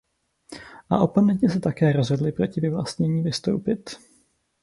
A oponenti se také rozhodli proti vyvlastnění vystoupit.